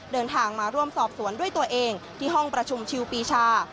เดินทางมาร่วมสอบสวนด้วยตัวเองที่ห้องประชุมชิวปีชา